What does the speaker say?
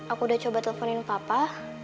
aku udah coba teleponin papa